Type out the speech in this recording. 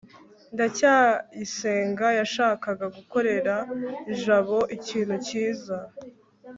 ndacyayisenga yashakaga gukorera jabo ikintu cyiza